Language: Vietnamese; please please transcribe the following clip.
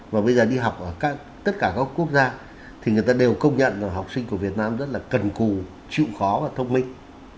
và bây giờ đi học ở tất cả các quốc gia thì người ta đều công nhận là học sinh của việt nam rất là cần cù chịu khó và thông minh